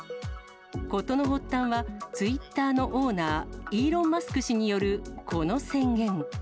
ことの発端は、ツイッターのオーナー、イーロン・マスク氏によるこの制限。